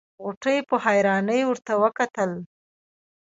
غوټۍ په حيرانۍ ورته کتل.